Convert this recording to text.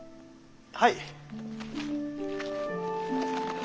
はい。